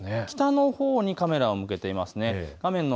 北のほうにカメラを向けていますね。